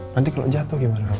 nanti kalau jatuh gimana